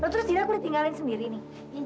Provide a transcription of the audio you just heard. loh terus dina aku ditinggalin sendiri nih